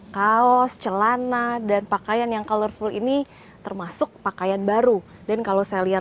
kaos celana dan pakaian yang colorful ini termasuk pakaian baru dan kalau saya lihat